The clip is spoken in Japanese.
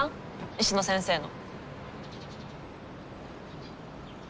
石野先生の。